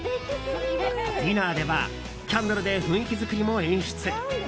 ディナーでは、キャンドルで雰囲気作りも演出。